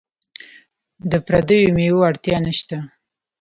د پردیو میوو اړتیا نشته.